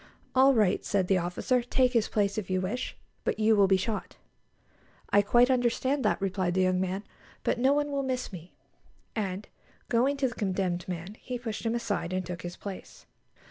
_" "All right," said the officer; "take his place, if you wish; but you will be shot." "I quite understand that," replied the young man; "but no one will miss me"; and, going to the condemned man, he pushed him aside, and took his place.